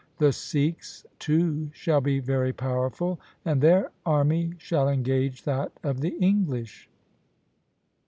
The Sikhs too shall be very powerful, and their army shall engage that of the English.